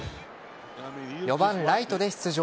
４番・ライトで出場。